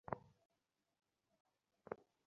আমাদের বরাতে কী লেখা আছে এখন বলতে পারবেন?